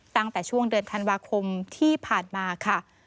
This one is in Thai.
ตั้งแต่ช่วงเดือนธันวาคมที่ผ่านมาค่ะ